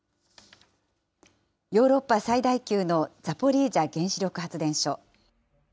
ヨーロッパ最大級のザポリージャ原子力発電所。